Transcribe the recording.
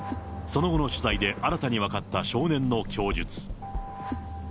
その後の取材で新たに分かった少年の供述。